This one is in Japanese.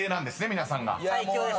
皆さんが］